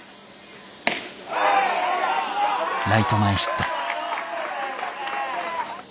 ライト前ヒット。